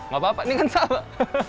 gak apa apa ini kan salah